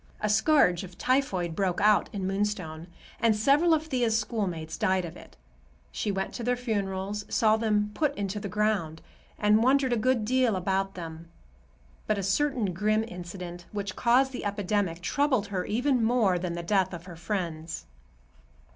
A scourge of typhoid broke out in Moonstone and several of Thea's schoolmates died of it. She went to their funerals, saw them put into the ground, and wondered a good deal about them. But a certain grim incident, which caused the epidemic, troubled her even more than the death of her friends.